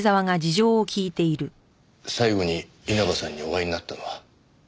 最後に稲葉さんにお会いになったのは？